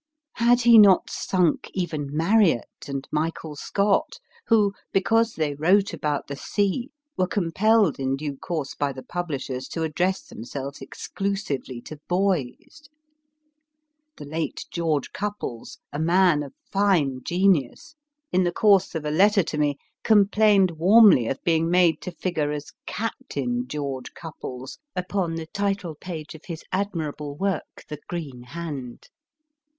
Had he not sunk even Marry at and Michael Scott, who, because they wrote about the sea, were compelled in due course by the publishers to address themselves exclusively to boys ! The late George Cupples a man of fine genius in the course of a letter to ANCHORED IN THE DOWNS CLARK RUSSELL 33 me, complained warmly of being made to figure as Captain George Cupples upon the title page of his admirable work, The Green Hand.